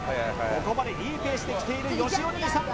ここまでいいペースできているよしお兄さん